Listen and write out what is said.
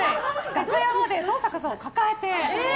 楽屋まで登坂さんを抱えて。